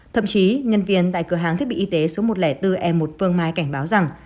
thậm chí nhân viên tại cửa hàng thiết bị y tế số một trăm linh bốn e một phương mai cảnh báo rằng